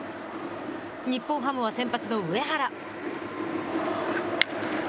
日本ハムは先発の上原。